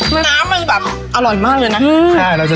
น้ำมันแบบอร่อยมากเลยนะ